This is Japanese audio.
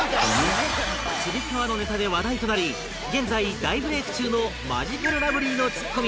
つり革のネタで話題となり現在大ブレイク中のマヂカルラブリーのツッコミ